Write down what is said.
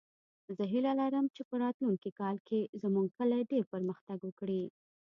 زه هیله لرم چې په راتلونکې کال کې زموږ کلی ډېر پرمختګ وکړي